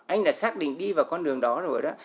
anh đã xác định đi vào con đường đó rồi đó